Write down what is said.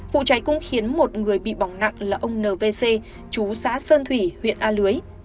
vụ cháy cũng khiến một người bị bỏng nặng là ông nv c chú xã sơn thủy huyện a lưới